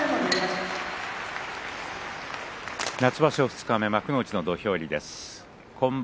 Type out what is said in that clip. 夏場所二日目幕内の土俵入りです。